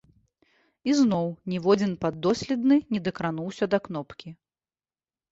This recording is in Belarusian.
І зноў ніводзін паддоследны не дакрануўся да кнопкі.